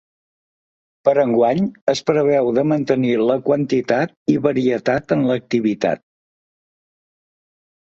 Per a enguany es preveu de mantenir la quantitat i varietat en l’activitat.